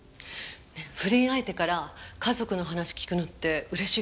ねえ不倫相手から家族の話聞くのって嬉しいかな？